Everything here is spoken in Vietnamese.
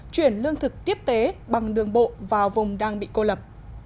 chuyển lương thực tiếp tế bằng đường bộ vào vùng đang bị cô lập